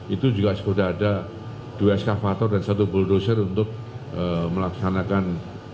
itu juga sudah ada dua eskavator dan satu bulldocer untuk melaksanakan